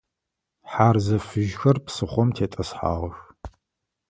Хьарзэ фыжьхэр псыхъом тетӏысхьагъэх.